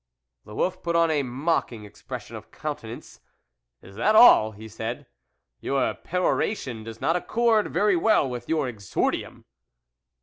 The wolf put on a mocking expression of countenance. " Is that all ?" he said, "Your peroration does not accord very well with your exordium."